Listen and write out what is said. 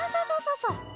そうそう。